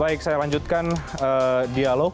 baik saya lanjutkan dialog